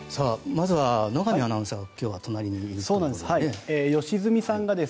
まずは野上アナウンサーが今日は隣にいるということで。